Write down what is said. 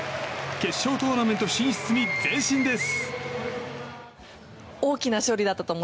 決勝トーナメント進出に前進です。